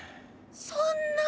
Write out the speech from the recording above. そんな。